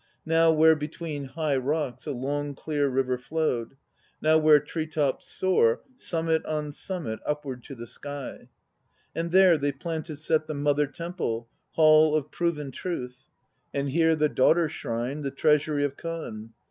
Now, where between high rocks A long, clear river flowed; Now where tree tops soar Summit on summit upward to the sky. And there they planned to set The Mother Temple, Hall of Proven Truth; And here the Daughter Shrine, The Treasury of Kan.